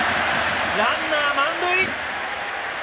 ランナー、満塁！